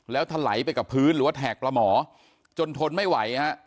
แล้วถลายไปกับพื้นหรือว่าแถกปลาหมอจนทนไม่ไหวฮะ